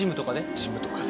ジムとかで。